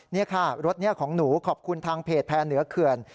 นี่ค่ะรถนี้ของหนูขอบคุณทางเพจแพร่เหนือเขื่อน